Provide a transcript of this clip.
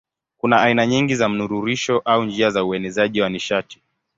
Kuna aina nyingi za mnururisho au njia za uenezaji wa nishati.